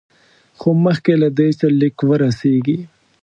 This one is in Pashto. خو مخکې له دې چې لیک ورسیږي.